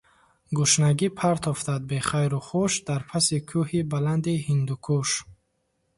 Гушнагӣ партофтат бехайрухуш Дар паси кӯҳи баланди Ҳиндукуш.